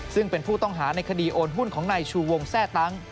ซึ่งเป็นผู้ต้องหาในคดีโอนหุ้นของนายชูวงแทร่ตั้ง